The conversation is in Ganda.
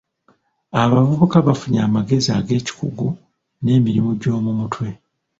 Abavubuka bafunye amagezi ag'ekikugu n'emirimu gy'omu mutwe.